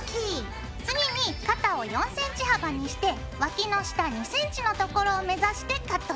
次に肩を４ｃｍ幅にしてわきの下２ｃｍのところを目指してカットするよ。